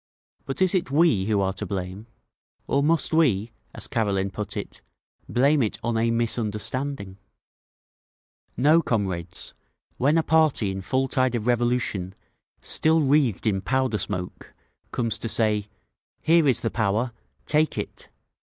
But is it we who are to blame? Or must we, as Karelin put it, blame it on a 'misunderstanding'? No, comrades. When a party in full tide of revolution, still wreathed in powder smoke, comes to say, 'Here is the Power—take it!